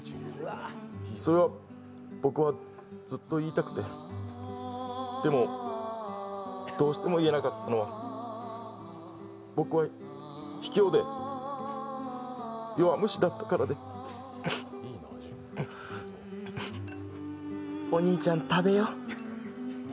それを僕はずっと言いたくてでも、どうしても言えなかった、僕はひきょうで弱虫だったからでお兄ちゃん、食べよう。